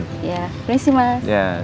terima kasih mas